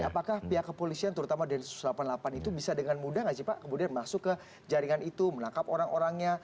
apakah pihak kepolisian terutama densus delapan puluh delapan itu bisa dengan mudah nggak sih pak kemudian masuk ke jaringan itu menangkap orang orangnya